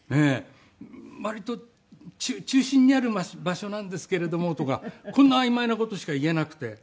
「割と中心にある場所なんですけれども」とかこんなあいまいな事しか言えなくて。